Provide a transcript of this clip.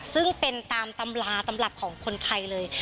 ซึ่งเป็นตามตำราตำรับของคนไทยเลย